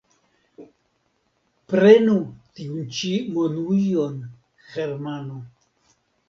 Prenu tiun ĉi monujon, Hermano.